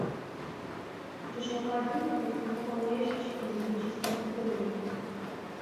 КӀыщокъуэ алим и тӀолъхуэныкъуэу ещхьщ и лирическэ лӀыхъужьыр.